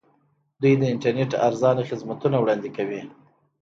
دوی د انټرنیټ ارزانه خدمتونه وړاندې کوي.